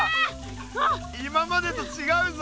今までとちがうぞ！